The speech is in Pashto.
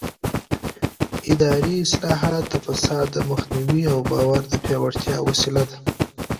اداري اصلاحات د فساد د مخنیوي او باور د پیاوړتیا وسیله دي